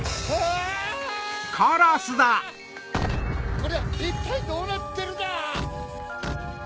こりゃいったいどうなってるだ！